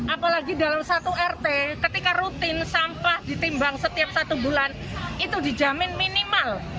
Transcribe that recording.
apalagi dalam satu rt ketika rutin sampah ditimbang setiap satu bulan itu dijamin minimal